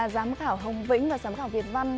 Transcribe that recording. giám khảo hồng vĩnh và giám khảo việt văn